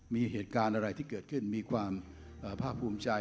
มีเหตุการณ์อะไรที่เกิดขึ้นมีความภาคภูมิใจ